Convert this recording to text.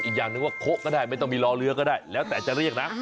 อีกอย่างหนึ่งว่าโค้ะก็ได้ไม่ต้องมีรอเรือก็ได้แล้วแต่จะเรียกนะ